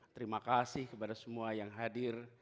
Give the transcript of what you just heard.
terima kasih kepada semua yang hadir